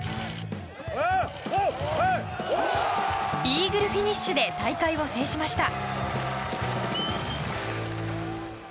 イーグルフィニッシュで大会を制しました。